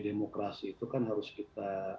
demokrasi itu kan harus kita